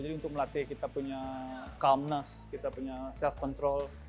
jadi untuk melatih kita punya calmness kita punya self control